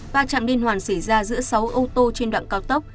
va chạm liên hoàn xảy ra giữa sáu ô tô trên đoạn cao tốc